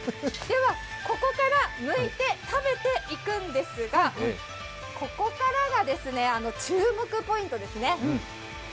ではここから、むいて食べていくんですが、ここからが注目ポイントですね。